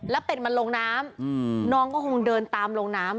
แล้วเป็ดมันลงน้ำน้องก็คงเดินตามลงน้ำ